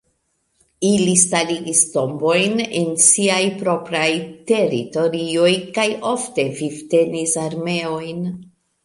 Ili starigis tombojn en siaj propraj teritorioj kaj ofte vivtenis armeojn.